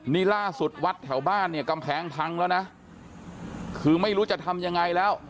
นี่ล่าสุดวัดแถวบ้านเนี่ยกำแพงพังแล้วนะคือไม่รู้จะทำยังไงแล้ว